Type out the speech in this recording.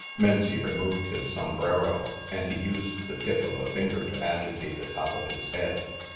Menzie removed his sombrero, and he used the tip of a finger to agitate the top of his head.